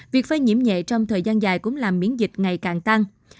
việc phơi nhiễm nhẹ trong thời gian dài cũng làm miễn dịch ngày càng tăng